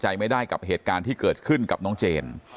ใจไม่ได้กับเหตุการณ์ที่เกิดขึ้นกับน้องเจน